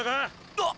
あっ！